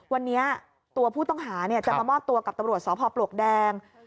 วันนี้ตัวผู้ต้องหาจะมามอบตัวกับตำรวจสพปลวกแดง